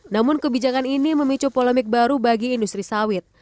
namun kebijakan ini memicu polemik baru bagi industri sawit